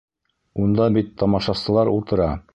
Унда бит тамашасылар ултыра!